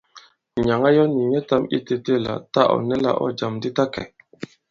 Nyǎŋ ā yɔ̄ nì nyɛtām itētē la tâ ɔ̀ nɛ la ɔ̂ jàm di ta kɛ̀.